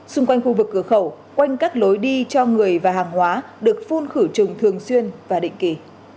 xung quanh khu vực cửa khẩu quanh các lối đi cho người và hàng hóa được phun khử trùng thường xuyên và định kỳ